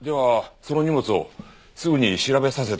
その荷物をすぐに調べさせてください。